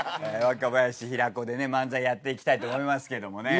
若林平子でね漫才やっていきたいと思いますけども。